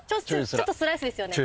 ちょっとスライスですよね。